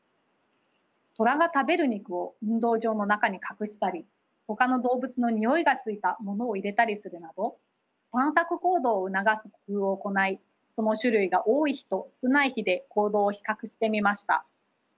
トラが食べる肉を運動場の中に隠したりほかの動物のにおいがついたものを入れたりするなど探索行動を促す工夫を行いその種類が多い日と少ない日で行動を比較してみました。